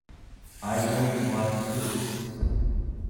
I don’t want proofs.